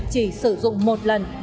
chỉ sử dụng một lần